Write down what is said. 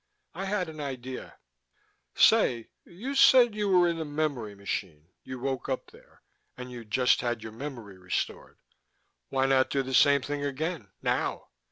I had an idea: "Say, you said you were in the memory machine. You woke up there and you'd just had your memory restored. Why not do the same thing again, now?